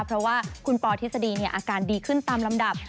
เพราะว่าคุณปธิสดีเนี่ยอาการดีขึ้นตามลำดับ